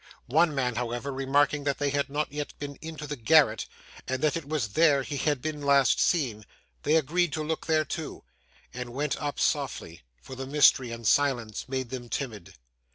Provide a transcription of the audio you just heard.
One man, however, remarking that they had not yet been into the garret, and that it was there he had been last seen, they agreed to look there too, and went up softly; for the mystery and silence made them timid.